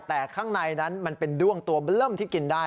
แต่ข้างในนั้นมันเป็นด้วงตัวเบล่มที่กินได้